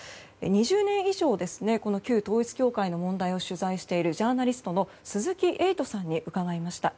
２０年以上旧統一教会の問題を取材しているジャーナリストの鈴木エイトさんに伺いました。